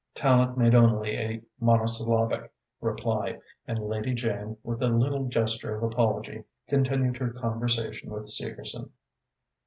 Tallente made only a monosyllabic reply, and Lady Jane, with a little gesture of apology, continued her conversation with Segerson.